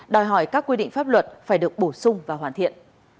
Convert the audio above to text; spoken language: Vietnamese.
đòi hỏi các quy định pháp luật phải được bổ sung và hoàn thiện